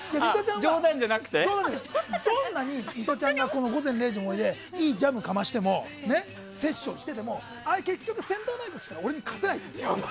どんなにミトちゃんが「午前０時の森」でいいジャブをかましてもセッションしてても結局、センターマイクが来たら俺には勝てない。